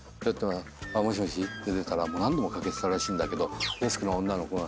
もしもしって出たら何度もかけてたらしいんだけどデスクの女の子が。